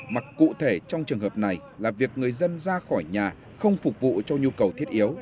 mặc cụ thể trong trường hợp này là việc người dân ra khỏi nhà không phục vụ cho nhu cầu thiết yếu